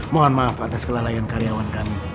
mohon maaf atas kelalaian karyawan kami